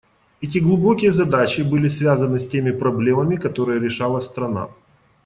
Эти глубокие задачи были связаны с теми проблемами, которые решала страна.